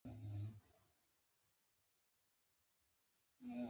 غوماشې تل د انسان وینه څښي.